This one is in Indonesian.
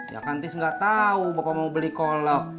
ya kan tis gak tahu bapak mau beli kolek